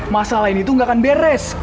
masalah ini tuh gak akan beres